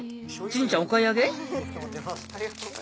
じゅんちゃんお買い上げ？